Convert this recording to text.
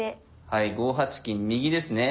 はい５八金右ですね。